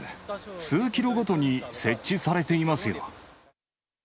数キロごとに設置されていますよ。